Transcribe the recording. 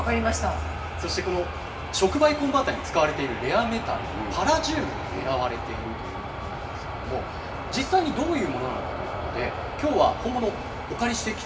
そしてこの触媒コンバーターに使われているレアメタルパラジウムが狙われているということなんですけれども実際にどういうものなのかということで今日は本物をお借りしてきています。